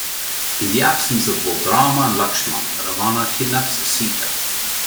In the absence of both Rama and Lakshman, Ravana kidnaps Sita.